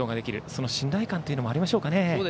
その信頼感もありましょうかね。